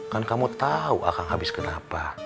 kan kamu tau akang habis kenapa